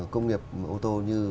công nghiệp ô tô như